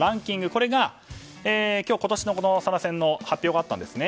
これが今年のサラ川の発表があったんですね